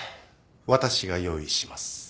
私が用意します。